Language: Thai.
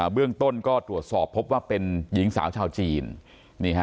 เบื้องต้นก็ตรวจสอบพบว่าเป็นหญิงสาวชาวจีน